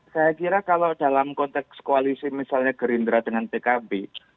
saya kira kalau dalam konteks koalisi misalnya gerindra dengan pkb